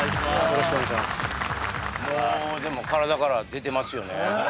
もうでも体から出てますよね